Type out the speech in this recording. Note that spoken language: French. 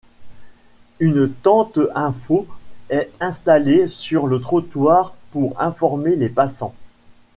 Une tente info est installée sur le trottoir pour informer les passants.